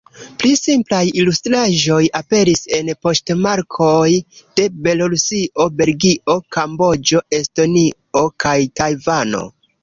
Pli simplaj ilustraĵoj aperis en poŝtmarkoj de Belorusio, Belgio, Kamboĝo, Estonio kaj Tajvano.